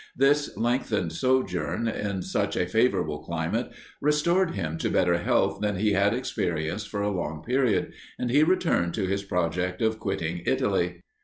This lengthened sojourn in such a favourable climate restored him to better health than he had experienced for a long period, and he returned to his project of quitting Italy.